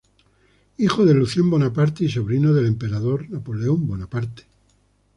Hijo de Lucien Bonaparte y sobrino del emperador Napoleón Bonaparte.